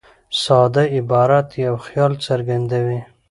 ساده عبارت یو خیال څرګندوي.